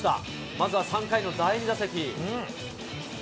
まずは３回の第２打席。